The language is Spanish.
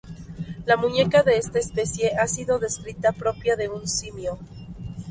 La muñeca de esta especie ha sido descrita propia de un simio.